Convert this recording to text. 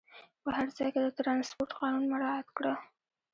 په هر ځای کې د ترانسپورټ قانون مراعات کړه.